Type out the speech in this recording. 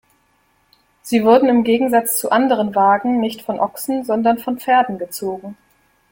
Sie wurden im Gegensatz zu anderen Wagen nicht von Ochsen, sondern von Pferden gezogen.